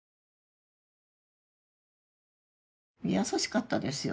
優しかったですよ